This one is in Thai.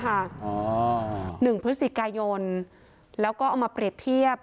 หนึ่งพฤศจิกายนแล้วก็เอามาเปรียบเทียบ